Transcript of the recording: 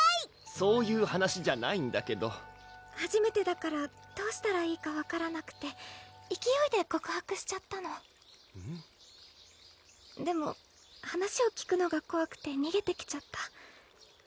そういう話じゃないんだけどはじめてだからどうしたらいいか分からなくていきおいで告白しちゃったのでも話を聞くのがこわくてにげてきちゃった